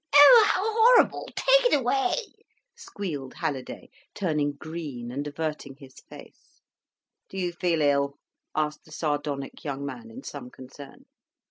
"Oh, how horrible, take it away!" squealed Halliday, turning green and averting his face. "D'you feel ill?" asked the sardonic young man, in some concern.